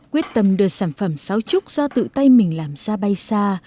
quyết tâm đưa sản phẩm xáo trúc do tự tay mình làm ra bay xa